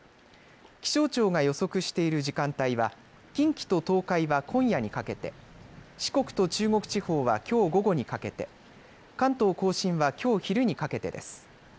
気象庁が予測している時間帯は近畿と東海は今夜にかけて、四国と中国地方はきょう午後にかけて、関東甲信はきょう昼にかけてです。